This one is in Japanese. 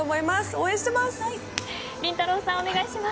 応援してます。